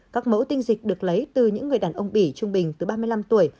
các mẫu tinh dịch được lấy từ những người đàn ông bỉ trung bình từ ba mươi năm tuổi